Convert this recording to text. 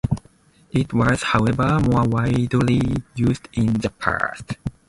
It was, however, more widely used in the past.